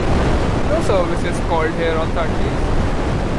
No services called here on Sundays.